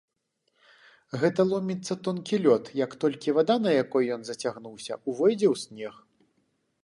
Гэта ломіцца тонкі лёд, як толькі вада, на якой ён зацягнуўся, увойдзе ў снег.